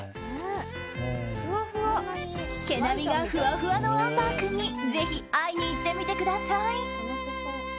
毛並みがふわふわのアンバー君にぜひ会いに行ってみてください。